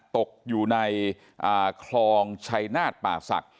ตกอยู่ในเอ่อครองชัยนาฏปากสัก